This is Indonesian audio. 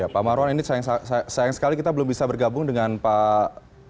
pak marwan ini sayang sekali kita belum bisa bergabung dengan pak